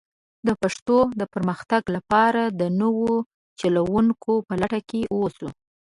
د پښتو د پرمختګ لپاره د نوو چلوونکو په لټه کې ووسو.